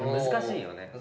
難しいよね。